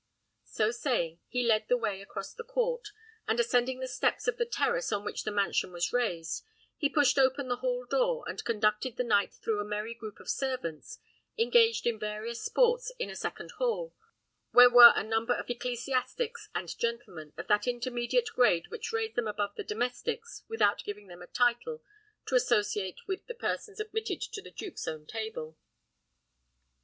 So saying, he led the way across the court, and ascending the steps of the terrace on which the mansion was raised, he pushed open the hall door, and conducted the knight through a merry group of servants, engaged in various sports, into a second hall, where were a number of ecclesiastics and gentlemen, of that intermediate grade which raised them above the domestics without giving them a title to associate with the persons admitted to the duke's own table.